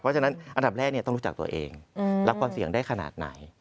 เพราะฉะนั้นอันดับแรกต้องรู้จักตัวเองรับความเสี่ยงได้ขนาดไหน